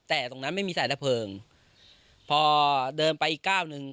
แต่ตรงนั้นไม่มีสายระเพลิงพอเดินไปอีกก้าวหนึ่ง